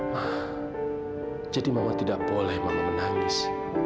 wah jadi mama tidak boleh mama menangis